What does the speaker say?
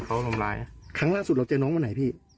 ครั้งล่าสุดเราเจอน้องวันไหนพี่